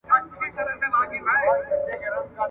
اوبه د سر د پاله خړېږي.